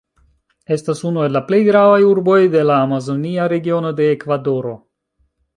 Estas unu el la plej gravaj urboj de la Amazonia Regiono de Ekvadoro.